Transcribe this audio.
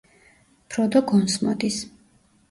ფროდო გონს მოდის.